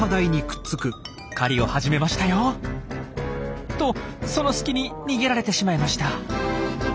狩りを始めましたよ。とその隙に逃げられてしまいました。